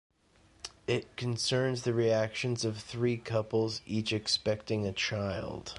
It concerns the reactions of three couples each expecting a child.